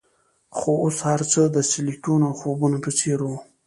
خو اوس هرڅه د سیلیکون او خوبونو په څیر وو